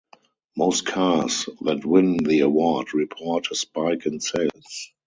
Most cars that win the award report a spike in sales.